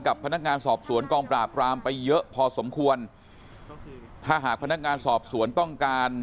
กับพนักงานสอบสวนกองปราบรามไปเยอะพอสมควรถ้าหากพนักงานสอบสวนต้องการ